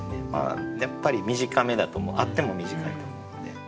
やっぱり短めだと思うあっても短いと思うので。